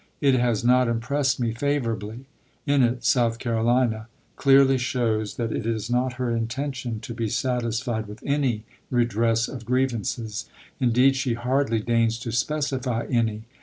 It has not impressed me favorably. In it South Carolina clearly shows that it is not her intention to be satisfied with any redress of grievances. Indeed, she hardly deigns to specify any.